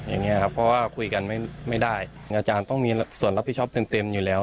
อย่างนี้ครับเพราะว่าคุยกันไม่ได้อาจารย์ต้องมีส่วนรับผิดชอบเต็มอยู่แล้ว